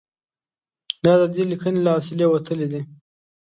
دا د دې لیکنې له حوصلې وتلي دي.